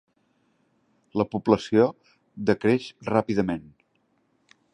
La població decreix ràpidament.